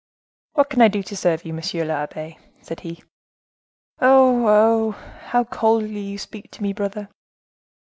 "What can I do to serve you, monsieur l'abbe?" said he. "Oh! oh! how coldly you speak to me, brother!"